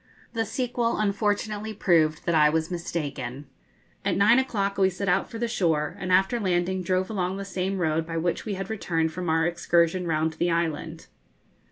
The sequel unfortunately proved that I was mistaken. At nine o'clock we set out for the shore, and after landing drove along the same road by which we had returned from our excursion round the island.